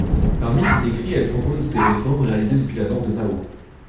Parmi ses écrits, elle propose des réformes réalisées depuis la mort de Mao.